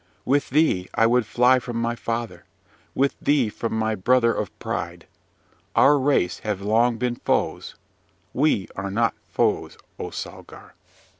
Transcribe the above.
With thee I would fly from my father, with thee from my brother of pride. Our race have long been foes: we are not foes, O Salgar!